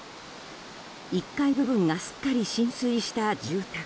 １階部分がすっかり浸水した住宅。